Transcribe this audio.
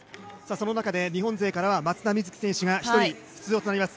その中で日本勢からは松田瑞生選手が１人、出場となります。